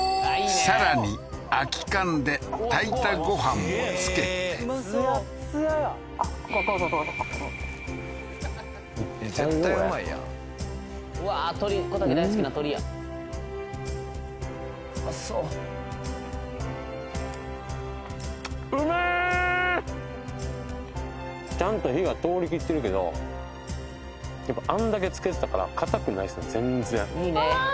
さらに空き缶で炊いたご飯もつけてツヤツヤやどうぞどうぞ先に絶対うまいやんうわー鶏小瀧大好きな鶏やうまそうちゃんと火が通りきってるけどやっぱあんだけ漬けてたから硬くないですね全然うまーい！